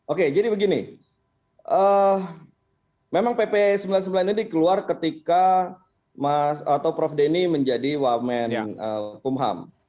oke jadi begini memang pp sembilan puluh sembilan ini keluar ketika atau prof denny menjadi wamen kumham